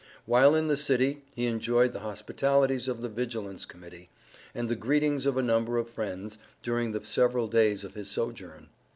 While in the city, he enjoyed the hospitalities of the Vigilance Committee, and the greetings of a number of friends, during the several days of his sojourn.